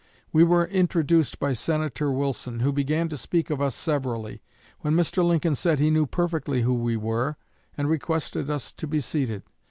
We were introduced by Senator Wilson, who began to speak of us severally, when Mr. Lincoln said he knew perfectly who we were, and requested us to be seated.